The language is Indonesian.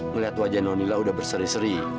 ngelihat wajah nonila udah berseri seri